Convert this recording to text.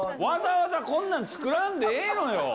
わざわざこんなん作らんでええのよ。